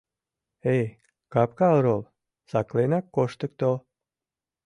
— Эй, Капка Орол, сакленак коштыкто!